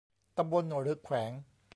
ตำบลหรือแขวง